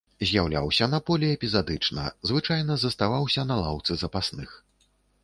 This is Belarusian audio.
З'яўляўся на полі эпізадычна, звычайна заставаўся на лаўцы запасных.